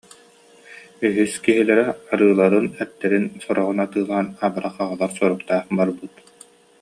Үһүс киһилэрэ арыыларын, эттэрин сороҕун атыылаан «абырах» аҕалар соруктаах барбыт